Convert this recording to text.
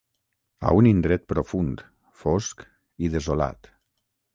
A un indret profund, fosc i desolat.